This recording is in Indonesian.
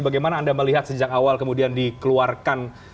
bagaimana anda melihat sejak awal kemudian dikeluarkan